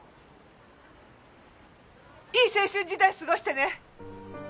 いい青春時代過ごしてね！